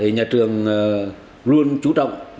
nhà trường luôn chú trọng